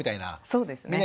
そうですね。